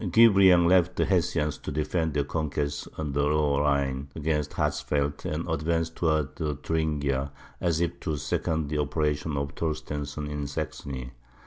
Guebriant left the Hessians to defend their conquests on the Lower Rhine against Hatzfeldt, and advanced towards Thuringia, as if to second the operations of Torstensohn in Saxony.